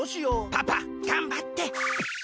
パパがんばって！